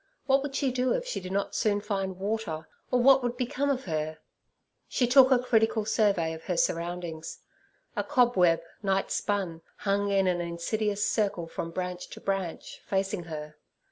What would she do if she did not soon find water, or what would become of her? She took a critical survey of her surroundings. A cobweb, nightspun, hung in an insidious circle from branch to branch, facing her.